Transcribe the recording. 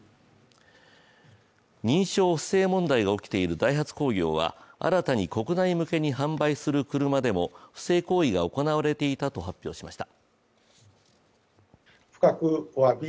認証不正問題が起きているダイハツ工業は新たに国内向けに販売する車でも不正行為が行われていたと発表しました。